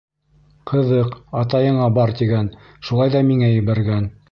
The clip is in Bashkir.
«Ҡыҙыҡ, атайыңа бар, тигән, шулай ҙа миңә ебәргән».